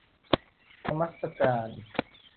นมัสการ